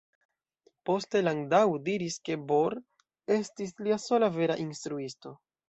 Poste Landau diris ke Bohr estis lia "sola vera instruisto".